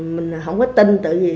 mình không có tin tự gì